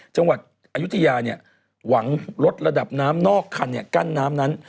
จังหวัดอายุทยาเนี่ยหวังลดระดับน้ำนอกคันกั้นน้ำนั้น